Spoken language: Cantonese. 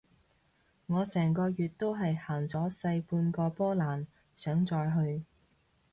我成個月都係行咗細半個波蘭，想再去